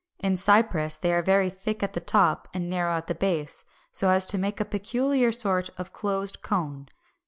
In Cypress they are very thick at the top and narrow at the base, so as to make a peculiar sort of closed cone.